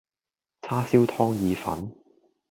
叉燒湯意粉